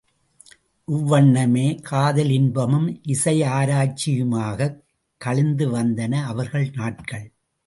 இவ்வண்ணமே காதலின்பமும் இசையாராய்ச்சியுமாகக் கழிந்து வந்தன அவர்கள் நாட்கள்.